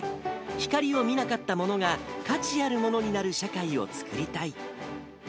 光を見なかったものが価値あるものになる社会を作りたい。